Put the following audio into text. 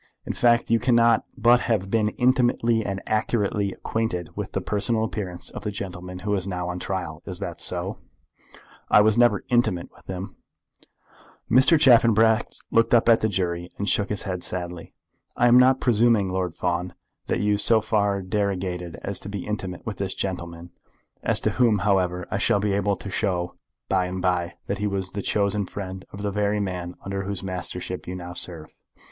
"In fact you cannot but have been intimately and accurately acquainted with the personal appearance of the gentleman who is now on his trial. Is that so?" "I never was intimate with him." Mr. Chaffanbrass looked up at the jury and shook his head sadly. "I am not presuming, Lord Fawn, that you so far derogated as to be intimate with this gentleman, as to whom, however, I shall be able to show by and by that he was the chosen friend of the very man under whose mastership you now serve.